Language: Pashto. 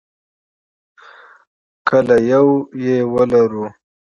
کله یو یې ولرو.